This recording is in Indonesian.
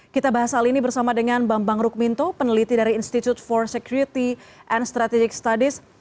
kita bahas hal ini bersama dengan bambang rukminto peneliti dari institute for security and strategic studies